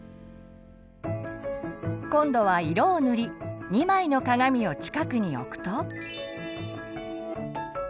今度は色を塗り２枚の鏡を近くに置くと。